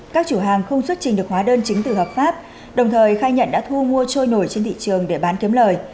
các chủ hàng không xuất trình được hóa đơn chứng từ hợp pháp đồng thời khai nhận đã thu mua trôi nổi trên thị trường để bán kiếm lời